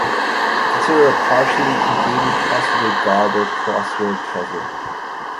Consider a partially completed, possibly garbled crossword puzzle.